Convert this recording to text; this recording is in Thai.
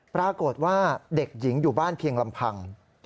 ปรากฏว่าเด็กหญิงอยู่บ้านเพียงลำพัง